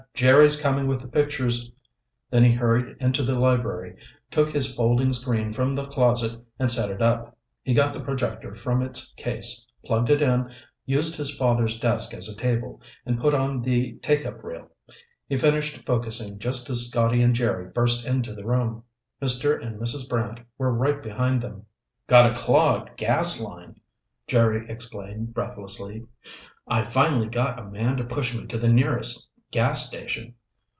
Jerry's coming with the pictures." Then he hurried into the library, took his folding screen from the closet and set it up. He got the projector from its case, plugged it in, using his father's desk as a table, and put on the take up reel. He finished focusing just as Scotty and Jerry burst into the room. Mr. and Mrs. Brant were right behind them. "Got a clogged gas line," Jerry explained breathlessly. "I finally got a man to push me to the nearest gas station.